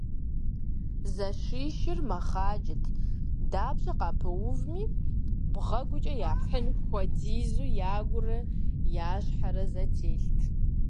Зэшищыр мэхъаджэт, дапщэ къапэувми бгъэгукӀэ яхьын хуэдизу ягурэ я щхьэрэ зэтелът.